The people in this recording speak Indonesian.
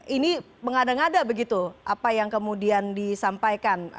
ini mengada ngada begitu apa yang kemudian disampaikan